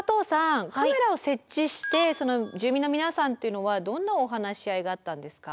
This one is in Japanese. カメラを設置して住民の皆さんというのはどんなお話し合いがあったんですか？